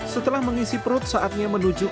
setelah mengisi perut saatnya menuju